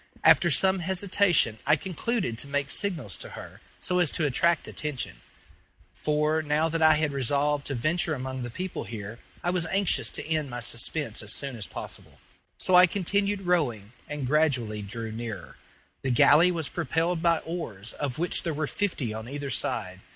After some hesitation I concluded to make signals to her, so as to attract attention; for, now that I had resolved to venture among the people here, I was anxious to end my suspense as soon as possible. So I continued rowing, and gradually drew nearer. The galley was propelled by oars, of which there were fifty on either side.